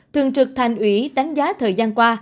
thường trực thành ủy đánh giá thời gian qua